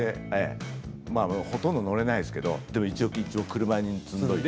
ほとんど乗れないですけれど一応、車に積んでおいて。